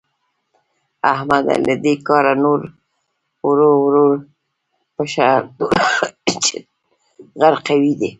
احمده؛ له دې کاره نور ورو ورو پښه ټولوه چې غرقوي دي.